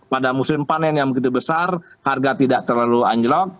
pada musim panen yang begitu besar harga tidak terlalu anjlok